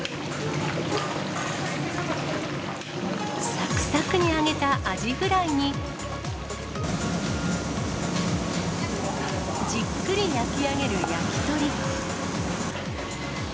さくさくに揚げたアジフライに、じっくり焼き上げる焼き鳥。